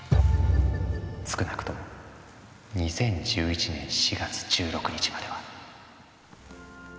少なくとも２０１１年４月１６日までは。